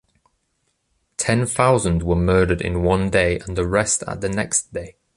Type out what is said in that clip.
Ten thousand were murdered in one day and the rest at the next day.